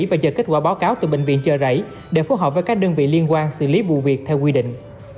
và chờ kết quả báo cáo từ bệnh viện chợ rẫy để phối hợp với các đơn vị liên quan xử lý vụ việc theo quy định